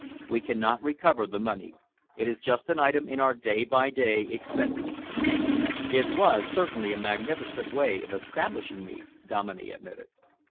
We cannot recover the money. It is just an item in our day by day expenses." "It was certainly a magnificent way of establishing me," Dominey admitted.